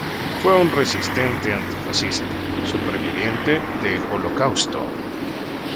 Fue un resistente antifascista, superviviente del Holocausto.